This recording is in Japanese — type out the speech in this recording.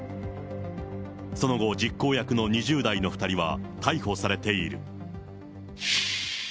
その後、実行役の２０代の２人は逮捕されている。